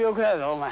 お前。